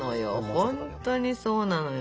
本当にそうなのよ。